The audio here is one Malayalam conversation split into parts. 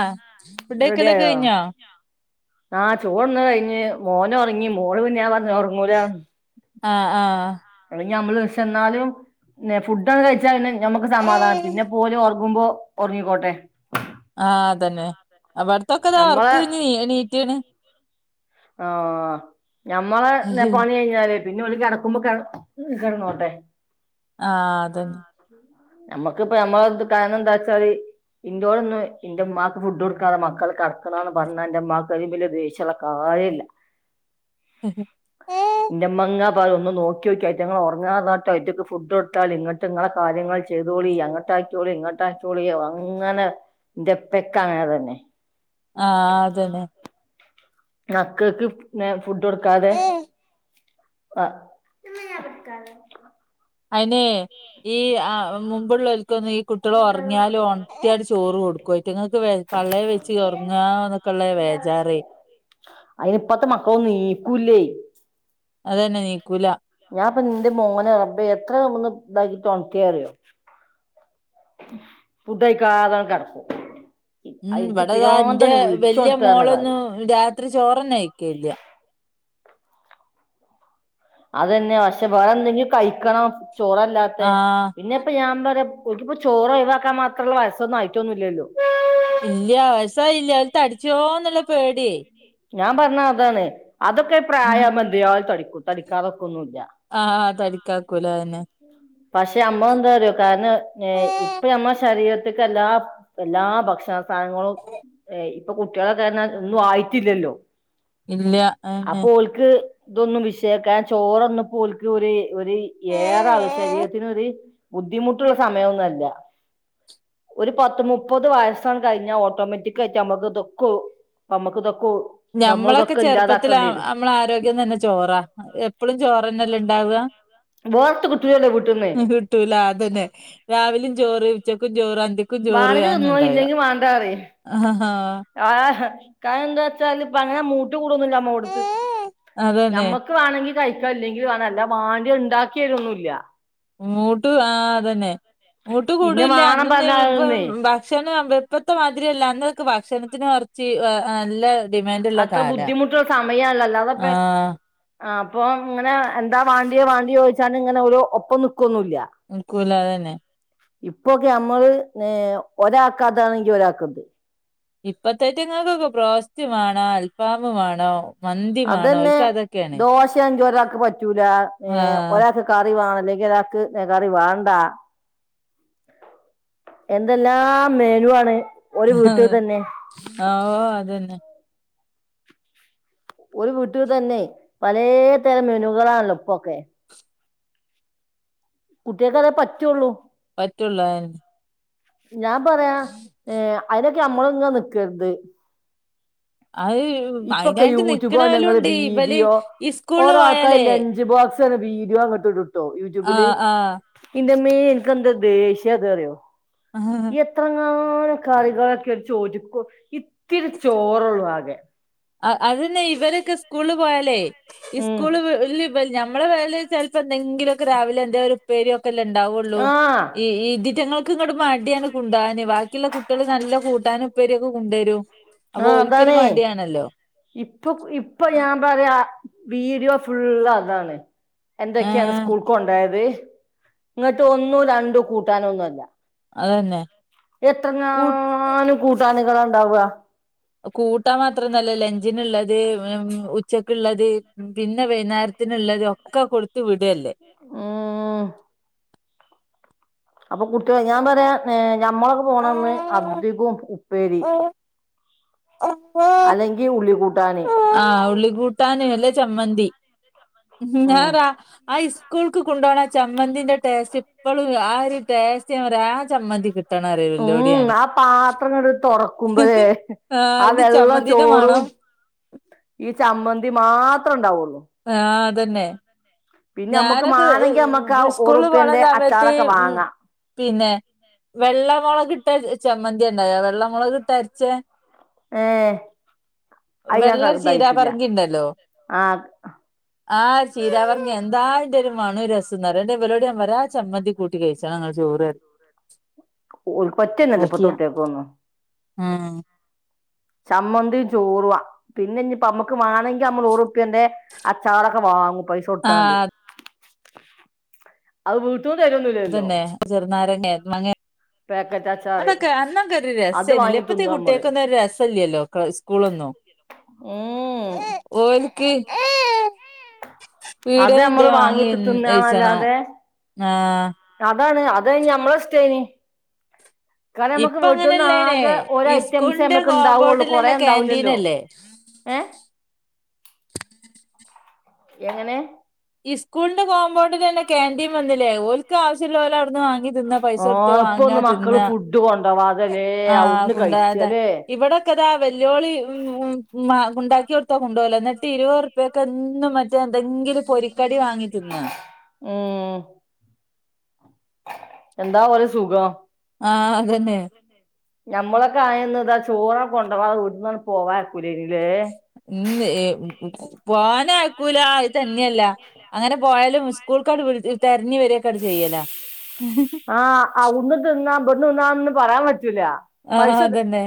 ആഹ് ആ ഫുഡ്ഡയ്ക്കലൊക്കെ റെഡിയായോ കഴിഞ്ഞോ ആ ചോർന്ന് കഴിഞ്ഞ് [unintelligible] മോന് ഒറങ്ങി മോള് പിന്നെ വർ [unintelligible] ആ ആ അല്ലെങ്കിൽ നമ്മള് പഷേ ന്നാലും ന്നെ ഫുഡൊക്കെ കഴിച്ചാ പിന്നെ ഞമ്മക്ക് സമാധാനം പിന്നെപോല്ർ ക്കുമ്പോ ഉറങ്ങിക്കോട്ടെ ആ അതന്നെ അവട്ത്തൊക്കതാ നമ്മളെ ഓർക്കഴിഞ് എനീറ്റ്ണ് ആഹ ഞമ്മള എന്നാ ആഹ് പണി കഴിഞ്ഞാല് പിന്നെ ഒളി കിടക്കുമ്പോ ക കിടങ്ങോട്ടെ ആഹ അതന്നെ നമ്മുക്കിപ്പ നമ്മ കാരണം എന്താ വച്ചാല് ഇറയോട്ൊന്നന്ന് ഇ ഉമാക്ക് ഫുഡ് കൊടുക്കാതെ മക്കൾ കറക്കണംന്ന് പറഞ്ഞ എ്റെമാ അ ദേശ കഴയില്ല ഇ മങ്ങ അപ്പ ഒന്നന്ന് നോക്കി നോക്കി റ്റ ഇങ്ങൾ ഉറങ്ങാതാട്ടോ റ്റക്ക് ഫുഡ് ഇട്ടി ഇങ്ങട്ട് ഇങ്ങളെ കാര്യങ്ങൾ ചെയ്തോളി അങ്ങട്ടക്കോളി ഇങ്ങോട്ടാക്കക്കോളിോ അങ്ങനെ എന്റെപ്പക്ക അങ്ങനെ തന്നെ ആഹ അതന്നെ നക്കക്ക് പി ഫുഡ് കൊടുക്കാതെ [unintelligible] അയിനെ ഈ ആ മുമ്പുള്ളോലി [unintelligible] ഈ കുട്ടിയള് ഒറങ്ങിയാലും ഒണത്തിയാണ് ചോറ് കൊടുക്കും അയിറ്റ്ങ്ങക്ക് വെ പള്ളേ വെയിച്ച് ഒറങ്ങാന്നൊക്കെള്ള വേജാറെ അയ്നിപ്പത്തെ മക്കളൊന്നും നീക്കൂല്ലേ അത് തന്നെ നീക്കൂല ഞാൻപ്പൊ ഇന്റെ മോനെ റബ്ബേ എത്ര ഒന്ന് ഇതാക്കി ഒണത്തിയെ അറിയോ ഫുഡായിക്കാതാണ് കെടക്കും ഉം എനിക്ക് ഇവിടതാ എന്റെ പിരാന്താണ് വെല്യ വിളിച്ചൊണത്താ പറഞ്ഞ കാര്യം മോളൊന്നും രാത്രി ചോറന്നെ കയിക്കലില്ല അതെന്നെയാ പക്ഷേ വേറെ എന്തെങ്കിലും കഴിക്കണം ചോറല്ലാത്ത പിന്നെ ആഹ് ഇപ്പ ഞാൻ പറയാ ഓലിക്ക്പ്പോ ചോറ് ഒഴിവാക്കാൻ മാത്രള്ള വയസൊന്നും ആയിറ്റൊന്നുല്ലല്ലോ ഇല്ല വയസ്സ് ആയില്ല തടിച്ചോന്നുള്ള പേടിയെ ഞാൻ പറഞ്ഞ അതാണ് അതൊക്കെ പ്രായവുമ്പോ എന്തായാലും തടിക്കൂ തടിക്കാതെക്കെ ഒന്നുല്ല ആഹ് തടിക്കാക്കൂല അതന്നെ പക്ഷെ നമ്മളെന്താറിയോ കാരണം നെ ഇപ്പ നമ്മളെ ശരീരത്ത് [unintelligible] എല്ലാ എല്ലാ ഭക്ഷണ പഴങ്ങളും ഏ ഇ ഇപ്പൊ കുട്ടികളൊക്കെ [unintelligible] ഒന്നും ആയി ട്ടില്ലല്ലോ ഇല്ല ഏഹ് ഏഹ് ഇതൊന്നും വിഷയാക്കാൻ ചോറൊന്നും ഇപ്പ ഓൽക്ക് ഒരു ഒര് ഏറെ ആവ് ശരീരത്തിനൊരു ബുദ്ധിമുട്ടുള്ള സമയയൊന്നു അല്ല ഒരു പത്ത് മുപ്പത് വയസ്സങ്ങ് കഴിഞ്ഞാ ഓട്ടോമാറ്റിക്കായിട്ട് നമ്മക്ക് ഇതൊക്ക് നമ്മക്ക് ഇതൊക്ക് ഞമ്മളൊക്കെ ചെറുപ്പത്തില് നമ്മടെ ആരോഗ്യം തന്നെ ചോറാ എപ്പഴും ചോറ്ന്നെല്ല ഇണ്ടാവുക വേർത്ത് കിട്ടൂലല്ലോ വീട്ടിന്ന് കിട്ടൂല അത് തന്നെ രാവിലെ ചോറ് ഉച്ചക്കും ചോറ് അന്തിക്കും ചോറ് വാണങ്കി അതന്നെ തിന്നോ ഇണ്ടാവ ഇല്ലെങ്കി വാണ്ടാ പറയും ആ കായം എന്താന്ന് വെച്ചാല് ഇപ്പ അങ്ങനെ മുത്ത- കൂട്ന്നെങ്കിൽ അമ്മ കൊടുക്ക് അതന്നെ നമ്മക്ക് വണെങ്കിൽ- കഴിക്ക അല്ലെങ്കിൽ വേണം അല്ല വാണ്ടി ഉണ്ടാക്കിരൊന്നുമല്ല മൂട്ട് ആ അത് തന്നെ മൂട്ട് ഇന്ന കൂടൂല്ല വാണം അന്നൊന്നും ഇപ്പ പറഞ്ഞാലൊന്നേ ഭക്ഷണം ഇപ്പത്തെമാതിരില്ല അന്നൊക്കെ ഭക്ഷണത്തിന് കുറച്ച് നല്ല- ഡിമാൻഡുള്ള അത്ര കാലാ ബുദ്ധിമുട്ടുള്ള സമയല്ലോ അതൊക്കെ ആഹ് - ആ അപ്പൊ ഇങ്ങനെ എന്താ വാണ്ടിയോ വാണ്ടിയോ ചോയിച്ചാല് ഇങ്ങനെ ഇവര് ഒപ്പം നിക്കും നിക്കൂല അത് തന്നെ ഇപ്പോക്കെ നമ്മള് ഒരാക്കാതാണെങ്കിൽ ഒരാക്ക്‌ അത് ഇപ്പത്തേറ്റങ്ങൾക്കൊക്കെ പ്രോസ്യമാണ് ആ അൽഫാമ് വേണോ അതന്നെ ദോശേംചാ ഒരാക്ക് പറ്റൂല ഏഹ് ആഹ് ഒരാക്ക് കറി വാണ ല്ലെങ്കി ഒരാക്ക് നെ കറി വാണ്ട. എന്തെല്ലാം മെനു വാണ്. അതെ ഓഹ് അതന്നെ ഒരു വീട്ടിൽ തന്നെ പലേതരം മെനുകളാണല്ലോ ഇപ്പൊക്കെ. കുട്ടിയേക്കതേ പറ്റൊള്ളൂ. പറ്റൊള്ളു അതന് ഞാൻ പറയാ ഏഹ് അയ് ക്ക് നമ്മള് ഇങ്ങ നിക്കര്ത് അത് അയിനായിട്ട് യൂട്യൂബാണ് നിക്ക്ണവലും ഞങ്ങൾ ണ്ട്. ഇവല് വീഡിയോ സ്കൂൾല് ഓരോ ആൾക്കാർ പോയാലേ ലഞ്ച് ബോക്സ് വീഡിയോ ഇങ്ങട്ട് ഇടും. ട്ടോ യൂട്യൂബില്. ആഹ് ഇൻ്റെ മ്മേ ഇൻകെന്തൊര് ദേശ്യാത് അറിയോ. ആഹ് എത്രങ്ങാ ാനും കറികളൊക്കെ ഒര് ചോറ്റ്ക്ക് കൊ ഇത്തിരി ചോറൊള്ളൂ ആകെ അ അതന്നെ ഇവരൊക്കെ സ്കൂളിൽ പോയാലേ ഉം ഇസ്കൂള് വ് ല് വൽ ഞമ്മളെ വല് ചെൽപ്പ എന്തങ്കിലൊക്കെ രാവിലെ എന്തേ ഒരു ഉപ്പേര്യൊ ക്കല്ലേ ഉണ്ടാവുള്ളൂ ആഹ് ഇ ഈ ഇതിറ്റങ്ങൾ ക്ക് ഇങ്ങട്ട് മട്യാണ് കുണ്ടവാന് ബാക്കിള്ള കുട്ട്യള് നല്ല കൂട്ടാനും ഉപ്പേര്യൊക്കെ കുണ്ടരും അപ്പൊ ഓൽക്കൊര് മട്യാണല്ലോ ഇപ്പൊപ് ഇപ്പൊ ഞാ പറ്യാ വീഡ്യോ ഫുള്ളതാണ് എന്തൊക്ക്യാണ് ഏഹ് സ്കൂൾക്കാെണ്ടെയെത് ഇങ്ങട്ട് ഒന്നും രണ്ടും കൂട്ടാനൊന്നു അല്ലാ അതന്നെ കൂ എത്രെങ്ങാനും കൂട്ടാന് നാണ്ടാവാ കൂട്ടാം മാത്രാെന്നു അല്ല ലഞ്ചിന്ള്ളത് വേം ഉച്ചക്ക്ള്ളത് പിന്നെ വൈന്നാര്ത്തിന്ള്ളത് ഒക്കെ കൊട്ത്ത് വിടല്ലേ ആഹ് അപ്പൊ കുട്ട്യള് ഞാൻ പറയാ ഏ ഞമ്മളൊകെ പോണന്ന് അ അതികും പേടി അല്ലെങ്കി ഉള്ളി കൂട്ടാന് ആഹ് ഉള്ളി കൂട്ടാന് അല്ലേ ചമ്മന്തി ഉം ഞറാ ആ ഇസ്കൂൾക്ക് കൊണ്ടോണെ ചമ്മന്തിന്റെ ടേസ്റ്റ് ഇപ്പഴും ആ ഒരു ടേസ്റ്റ് ഞാ പറയാആ ചമ്മന്തി കിട്ടും ഉം ആ പാത്രങ്ങട്ട്തുറക്കുമ്പോഴെ ആഹ് ആ അയിന്റെ വെള്ള ചമ്മന്തിന്റെ ചോറും മണം ഈ ചമ്മന്തി മാത്രം ഉണ്ടാവുള്ളൂ ആ അതന്നെ പിന്നെ നമ്മുക്ക് ഞാനൊക്കെ മാണെങ്കി നമ്മുക്ക് ആ [unintelligible] സ്കൂളിൽ പോണ ഒറുപ്പ്യന്റെ സമയത്ത് അച്ചാറൊക്കെ ഉ വാങ്ങാം പിന്നെ വെള്ളമൊകിട്ട ചമ്മന്താ ഇണ്ടാകാ വെള്ളമൊളകിട്ട അരച്ചേ ഏ വെള്ളൊരു അയ്യക്കതായിത്തില്ല ചീരാപറങ്കി ആഹ ആഹ് ചീര പറ- എന്തായന്റെഒരു മണെരസന്നറിയോ ന്ന്ട്ട് ഞാ ഇബലോട് ഞാൻ പറയും ആ ചമ്മന്തിം കൂട്ടി കഴിച്ചണങ്ങൾ ചോറ് അ ഓൽക്ക് പറ്റന്നെല്ല പ്പത്തെ കുട്ട്യാക്കൊന്നും ആഹ ചമ്മന്തിം ചോറുവാ പിന്നെ ഇന്നിനമ്മക്ക് വാണങ്കി നമ്മൾ ഒറു- പ്പ്യന്റെ അച്ചാറൊക്കെ വാങ്ങുംപൈസ കൊടുത്താണ്ട് ആഹ് അവീ തൂ തരൊന്നില്ലല്ലോ നാരങ്ങേ മാങ്ങേ അച്ചാറ് അതൊക്കെ അന്നൊക്കെ ഒരു അത് രസായിനില്ലേ വാങ്ങി ഇപ്പത്തെഈ തിന്നും നമ്മള് കുട്ട്യാക്കൊന്നും ഒരു രസ ഇല്ലല്ലോ സ്കൂളൊന്നും ഉം ഓൽക്ക് അത് പീടിന്നെന്തെ നമ്മള് വാങ്ങി വാങ്ങിയിച്ചണം ആഹ ആ അതാണ് അതയ്നമ്മള ഇസ്റ്റെയ്നി കാരണം നമ്മുക്ക് ഇപ്പ വീട്ടന്ന് അങ്ങനെല്ലേനെ ആകെ ഓരോ ഐറ്റംസേ ഇസ്കൂളിന്റെ നമ്മക്ക് ഇണ്ടാവുള്ളൂ കൊറേ കോമ്പൗണ്ടിലന്നെ ഉണ്ടാവൂലല്ലോ ക്യാന്റീനല്ലേ ഏ എങ്ങനെ ഇസ്കൂളിന്റെ കോമ്പൗണ്ടിലെന്നെ കേന്റീൻ വന്ന്ലെ ഓൽ ക്ക് ആവശ്യല്ലോലെ അവ്ട്ന്ന് വാ ഓ ഇപ്പൊന്നും മക്കള് ഫുഡ് കൊ ആ കൊണ്ടോകാതെ ഇവിടെക്കെതാ വെല്ല്യോള് ഉം ഹും ഉമാ ഇണ്ടാക്കിട്ത്താ കൊണ്ടോവൂല എന്നിട്ട് ഇരുവർപ്പ്യക്കെന്നും മറ്റേ എന്തെങ്കിലും പൊരി കടി വാങ്ങിത്തിന്നാ ഉം എന്താ ഓലസുഖം ആ അതന്നെ ഞമ്മളൊക്കെ ആയന്ന്താ ചോറാ കൊണ്ടാകാതെ വീട്ട്ന്നാ പോകായ്കൂലീനിം ഉം ഏ പോവാനാ അയ‌ക്കൂല തന്നെയല്ല അങ്ങനെ പോയാലും സ്കൂൾക്കട് വിട് തെ ആ അഹുട്ന്ന് തിന്ന ഇബട്ന്ന് തിന്നാ ന്നൊന്നും പറയാൻ പറ്റൂല ആഹ് പൈസ ത അതന്നെ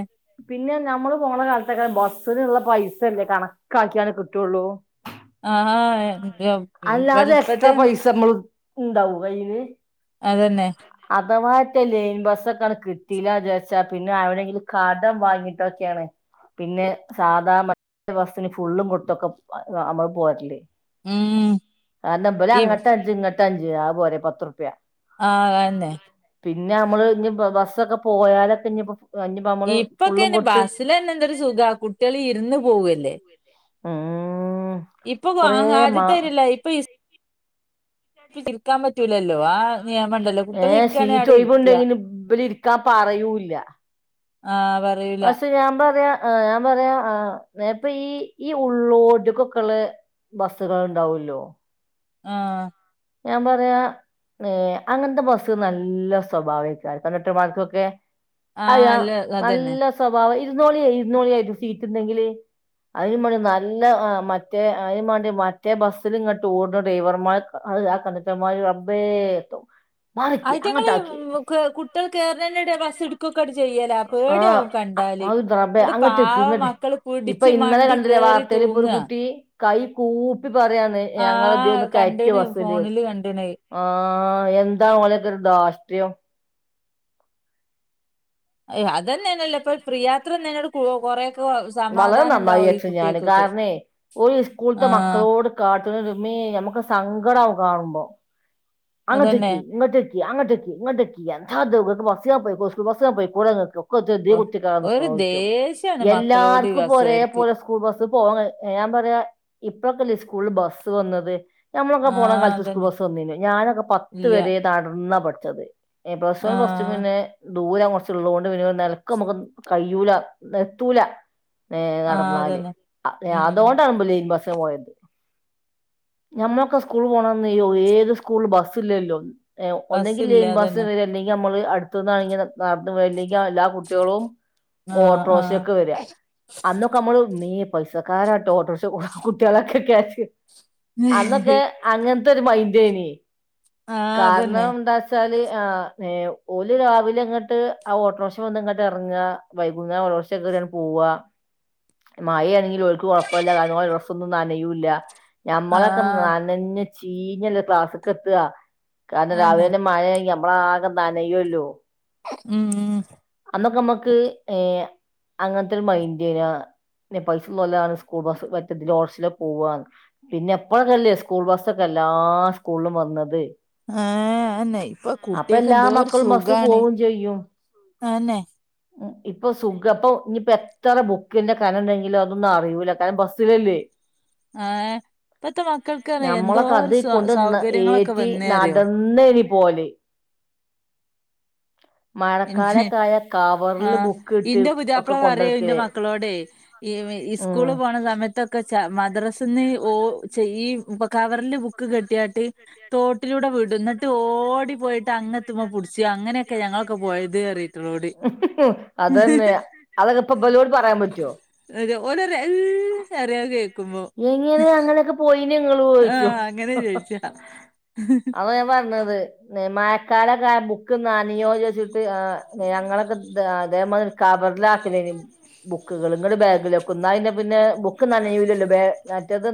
പിന്നെ നമ്മള് പോണ കാൽത്തൊക്കെ ബസ്സ്‌ന്ള്ള പൈസല്ലെ കണക്കാക്യാണ് കിട്ടോള്ളൂ ആ എന്ത്യ ഉം ബല്പത്തെ ണ്ടാവു അയിന് അതന്നെ തവാറ്റേ ലെയിൻ ബസ്സൊക്കാണ് കിട്ടീല്ലാജാര്ച്ച പിന്നെ ആരോടെങ്കിലും കടം വാങ്ങിട്ടൊക്കെണ് പിന്നെ സാധാ മറ്റ് ബസ്സ്ന് ഫുള്ളും കൊടുത്തൊക്കെ അ അമ്മള് പോര്ല് ഉം കാര്ണം ഇബല് ഈ അങ്ങട്ട് അഞ്ച് ഇങ്ങ ത്തഞ്ച് ആ പോരെ പത്ത്ർപ്യ ആ തന്നെ പിന്നെ മ്മള് ഇഞ്ഞ് ഇപ്പ ബസ്സൊക്കെ പോയാലൊക്കെ ഇഞ്ഞിപ്പം ഇപ്പക്കെന് ബസ്സിലെന്നെ എന്തെര് സുഖവാ കുട്ടികള് ഇര്ന്ന്- പോവ് ല്ലേ ആ ഇപ്പൊ പൊ ആദ്യത്താര്യല്ല ഇപ്പ സ്- ഇപ്പ് ചിരിക്കാൻ പ ഏ ഇരിക്കാണെ സീറ്റ് അവിടെ ഇരിക്കുക ഒഴവുണ്ടെങ്കിലും ഇബ് ല് ഇര് ക്കാൻ പറയൂല്ല ആ പറയൂല ആ ഞാൻ പറയ് ആ മേപ്പ് ഈ ഈ ഉള്ളോട്ട്ക്കൊക്കെള്ള ബസ്സ്കൾ ഇണ്ടാവല്ലോ ആ ഞാൻ പറയാ ഏ അങ്ങനത്തെ ബസ്സ് നല്ല സ്വഭാവെക്കാരെ ക ണ്ടക്ടർമാർക്കൊക്കെ ആ അയാ അല്ല അതന്നെ നല്ല സ്വഭാവം ഇരുന്നോളി ഇരുന്നോളി ആയിട്ട് സീറ്റ് ഉണ്ടെങ്കിൽ അതിന് വേണ്ടി നല്ല മറ്റേ അതിന് വേണ്ടി മറ്റേ ബസ്സൽ ഇങ്ങട്ട്ഡോട ണ ഡ്രൈവർമാർ ആ കണ്ടക്ടർമ്മാര് റബേ എത്തോ ആയി്റ്റങ്ങള് കുട്ടികൾ കേറണെറ്റെ ടെയ് ബസ്എടുക്കുകൊക്കെ ചെയ്യലാ ആഹ് പേടാവും കണ്ടാല് അത് റബ്ബേ അടു അങ്ങട്ട്ക്കി പാവ ഇങ്ങട്ട് മക്കള് ഇപ്പൊ പിടിച്ച്ു ഇന്നലെ മണ്ടി കണ്ടില്ലേ കേറി വാർത്തയിൽ ഇപ്പൊ ഒരു തൂങ്ങ കുട്ടി കൈ കൂപ്പ്- ഇപ്പി പറയാന്ന് ഞങ്ങള ദന്നക്കയറ്റവും കണ്ടിണ് വസൂല് ഫോണില് കണ്ടിണ് ആ എന്താ ങ്ങളെയക്കെ ഒരു രാാഷ്ട്രയം അ അതന്നെ തന്നല്ലേ ഇപ്പൊ പ്രിയയാത്രട് കൊറ വളരെ നന്നായി ചച്ചു ഞാന് കാരണേ ഒരു ആ സ്കൂളത്തെ മക്കളോട് കാട്ട [unintelligible] നമ്മുക്ക് സങ്കടവും കാണുമ്പോ അതന്നെ അങ്ങത്തക്ക് ഇങ്ങത്ത- ക്കി അങ്ങട്ടിക്കി ഇങ്ങട്ടിക്കി എന്താ ദ് ബ പോയി ബസ് ങ പോയികൂടെ ങ്ങക്ക് ക്കെ എത്തിനാ ഇദീ ഓ കുത്തിക്കേറാൻ ഒരു നിക്ക്ണോയ്ച്ചും. ദേഷ്യാണ് മക്കളോട് ഈ എല്ലാർക്കും ഇപ്പൊ ഒരേ ബസ്സുകാർക്ക്. പോലെ സ്കൂൾ ബസ് പോ ഞാൻ പറയാ ഇപ്പളൊക്കെല്ലേ സ്കൂള ബസ് വന്നത് മ്മളൊക്കെ പോണം ആഹ് കളത്ത അതന്നെ. സ്കൂൾബസ്ന്നല്ല ഞാന പത്ത് ഇല്ല. വരെ തടർന്ന പ ച്ചത്. ഏ പ്ലസ് വൺ പ്ലസ് ടും ആഹ് പിന്നെ ദൂരം കുറച്ചള്ളതുക കൊണ്ട് പിന്ന നിലക്ക നമുക്ക് കഴൂല നത്തൂല ഏ ആഹ് നടന്നാല് അതന്നെ. ഉം അതുകൊണ്ടുമ്പല്ല ത്താ പോയത്. ഞമ്മൊക്കെ സ്കൂള് പോണന്ന്യ്യോ ഏത് സ്കൂൾ ബസ്സില്ലല്ലോ ഒന്നെങ്കിൽ ബസ്സില്ല ലെൻ ബാസ് അതന്നെ. വരെ അല്ലെങ്കിൽ നമ്മള് അടുത്തുന്നാണ നടന്ന പോല്ലെങ്ക എല്ലാ കുട്ടികളും ആഹ് ആഹ് ഓട്രോഷൊക്കെ വരാ അന്നൊക്കെ നമ്മള് ഇമ്മേ പൈസക്കാരാട്ടോ ഓട്ടോർഷ കുട്ടിയേളക്കെ കേച്ച് അന്നൊക്കെ അങ്ങൻ ദർമാൈെ നീ ആഹ് അതന്നെ. കാരണം എന്താച്ചാല് ആ ഒല് രാവിലെ അങ്ങട്ട് ആ ഓട്ടോറിഷ വന്ന ഇങ്ങോട്ട് ഇറങ്ങാ വൈകുന്നേരം ഓട്ടോറിഷ കേറി അങ്ങ് പോവ മായയാണെങ്കിൽ ഒക്ക് കൊഴപ്പല്ല താനുംഓൾടെ ഡ്രസ്സ്സൊന്നും നനയല്ല ഞമ്മളെ ആഹ് നനഞ് ചീഞ്ഞല്ലേ ക്ലാസ്സ്ക്കെത്താ കാരണം അതന്നെ. രാവിലന്നെ മയേണെ നമ്മള ആകെ നനയുല്ലോ ഉം അന്നൊക്കെ നമ്മക്ക് ഏർ അങ്ങൻത്തെരു മൈൻഡേ... ആഹ്.. അല്ലെ പൈസല്ലോലാണ് സ്കൂൾ ബസ് മറ്റതില് ഓട്രക്ഷല് പോവാന്ന്. പിന്നെ ഇപ്പോഴെക്കല്ലേ സ്കൂൾ ബസ്സൊക്കെ എല്ലാ സ്കൂളിലും വന്നത് ആഏ എന്നെ ഇപ്പൊ അപ്പൊ എല്ലാ കുട്ടിയേക്കെന്തോരു മക്കളും ബസ് സുഖാണ്. പോവും ചെയ്യും ആന്നെ. ഉം ഇപ്പൊ സുഖം അപ്പൊ ഇനിയിപ്പോ എത്ര ബുക്കിന്റെ കന ഉണ്ടെങ്കിലോ അതൊന്നും അറിയൂലാ കാരണം ബസ്സിലല്ലേ ആ... യെ ഞമ്മളൊക്കെ അത് കൊണ്ട് സൗകര്യങ്ങളൊക്കെ ഏറ്റി വന്നേ അറിയോ. നടന്നനി- പോവല് ന്ന മഴക്കാലൊക്കെ ആയ ആ കവറില് ബുക്ക് ഇട്ട് ഇന്റെ ഒക്കെ പുതാപ്ള പറയുവാ ഇന്റെ കൊണ്ടടക്കല് മക്കളോടെ ഈ ഈ ഉം സ്കൂള് പോണ സമയത്തൊക്കെ- മദ്രാസിന്ന് ഓ ഈ കവറില് ബുക്ക് കെട്ടിയാട്ട്- തോട്ടിലൂടെ വിടുന്നിട്ട് ഓടി പോയിട്ട് അങ്ങത്തുമ്പോ പിടിച്ചു അങ്ങനെയൊക്കെ ഞങ്ങൾ- ഞങ്ങളൊക്കെ പോയതേ അറിയത്തില്ല അത് തന്നെ അതൊക്കെ ഇപ്പൊ ഇവലോട് പറയാൻ പറ്റോ െ [unintelligible] എങ്ങനെ അങ്ങൊക്കെ പോയി ഇനി നിങ്ങള് ഉപയോഗിച്ചോ ആഹ് അങ്ങനെ ചോയിച്ചാ അതാ ഞാൻ പറഞ്ഞത് മായക്കാളൊക്ക [unintelligible] ബുക്ക് നയോ ചോച്ചിട്ട് ഞങ്ങളൊക്കെ അതേമാതിരി കവറിലാക്കാല ബുക്കുകളും ബാഗിലക്ക പിന്നെ ബുക്ക് നനയില്ലല്ലോ മറ്റേത് [unintelligible]